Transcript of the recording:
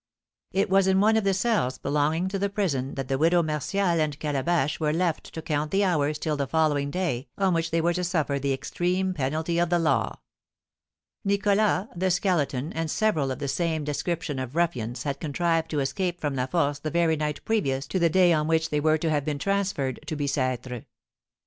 It was in one of the cells belonging to the prison that the Widow Martial and Calabash were left to count the hours till the following day, on which they were to suffer the extreme penalty of the law. Nicholas, the Skeleton, and several of the same description of ruffians had contrived to escape from La Force the very night previous to the day on which they were to have been transferred to Bicêtre.